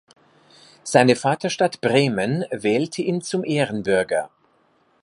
Seine Vaterstadt Bremen wählte ihn zum Ehrenbürger.